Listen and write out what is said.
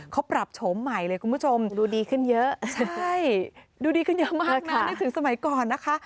เขาปรับโฉมใหม่เลยคุณผู้ชมใช่ดูดีขึ้นเยอะมากนะนี่ถึงสมัยก่อนนะคะ